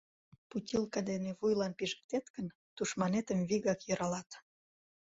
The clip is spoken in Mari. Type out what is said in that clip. Путилка дене вуйлан пижыктет гын, тушманетым вигак йӧралат.